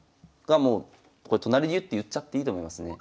これ都成流って言っちゃっていいと思いますね。